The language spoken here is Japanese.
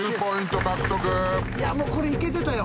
もうこれいけてたよ。